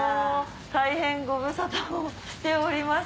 大変ご無沙汰をしております。